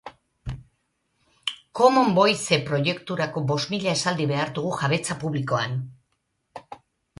Common Voice proiekturako bost mila esaldi behar dugu jabetza publikoan